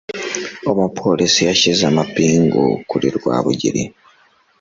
Umupolisi yashyize amapingu kuri rwabugiri.